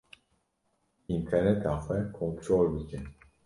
Înterneta xwe kontrol bike.